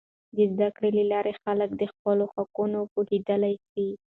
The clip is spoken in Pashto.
د زده کړې له لارې، خلک د خپلو حقونو پوهیدلی سي.